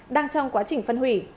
đang trong quá trình phân hủy